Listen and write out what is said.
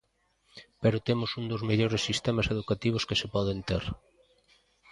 Pero temos un dos mellores sistemas educativos que se poden ter.